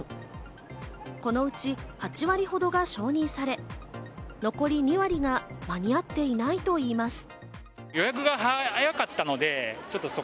このうち８割ほどが承認され、残り２割が間に合っていないと言います。